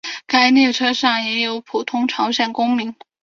该列车上也有普通朝鲜公民。